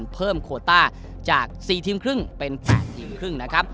โคต้าจาก๔ทีมครึ่งเป็น๘ทีมครึ่งนะครับ